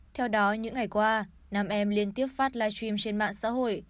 theo đó những ngày qua nam em liên tiếp phát live stream trên mạng xã hội